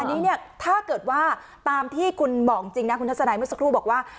อันนี้เนี่ยถ้าเกิดว่าตามที่คุณบอกจริงนะคุณทัศนัยเมื่อสักครู่บอกว่า